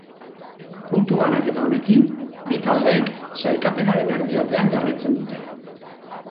Puntu banaketa honekin, bi taldeek sailkapenaren erdialdean jarraitzen dute.